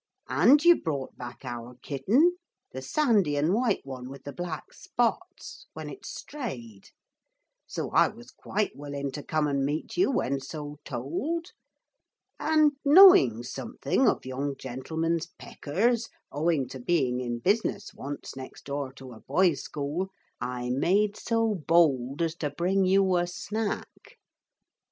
And you brought back our kitten the sandy and white one with black spots when it strayed. So I was quite willing to come and meet you when so told. And knowing something of young gentlemen's peckers, owing to being in business once next door to a boys' school, I made so bold as to bring you a snack.'